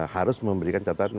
harus memberikan catatan musuhnya